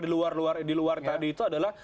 di luar luar di luar tadi itu adalah